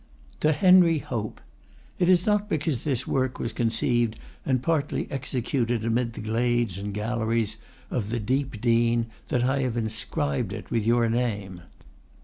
TO HENRY HOPE It is not because this work was conceived and partly executed amid the glades and galleries of the DEEPDENE that I have inscribed it with your name.